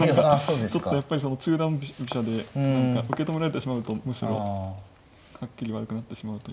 ちょっとやっぱり中段飛車で何か受け止められてしまうとむしろはっきり悪くなってしまうという感じ。